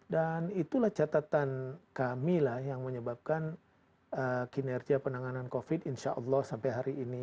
itulah catatan kami lah yang menyebabkan kinerja penanganan covid insya allah sampai hari ini